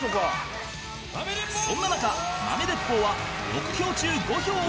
そんな中豆鉄砲は６票中５票を獲得し優勝！